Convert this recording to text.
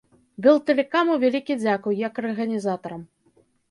Белтэлекаму вялікі дзякуй, як арганізатарам.